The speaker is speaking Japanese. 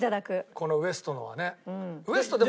このウエストのはね。